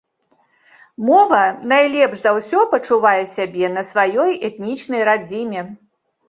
Мова найлепш за ўсё пачувае сябе на сваёй этнічнай радзіме.